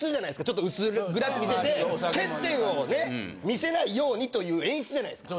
ちょっと薄暗く見せて欠点をね見せないようにという演出じゃないですか。